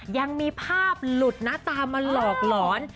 ยังมีภาพหลุดนะตามมาหลอกหลอน